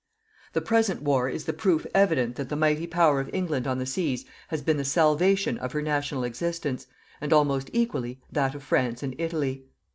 The present war is the proof evident that the mighty power of England on the seas has been the salvation of her national existence and, almost equally, that of France and Italy.